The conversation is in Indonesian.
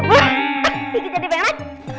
bawanya jadi pengen apa